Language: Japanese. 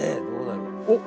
おっ！